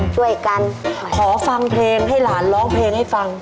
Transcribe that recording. ช่วยกันขอฟังเพลงให้หลานร้องเพลงให้ฟัง